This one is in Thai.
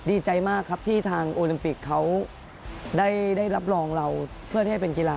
ดีใจมากครับที่ทางโอลิมปิกเขาได้รับรองเราเพื่อที่ให้เป็นกีฬา